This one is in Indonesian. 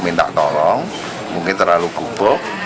minta tolong mungkin terlalu gubuk